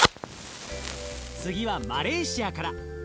次はマレーシアから。